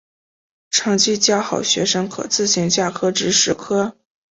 成绩较好学生可自行加科至十科。